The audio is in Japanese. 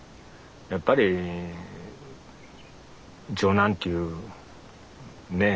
やっぱり長男っていうね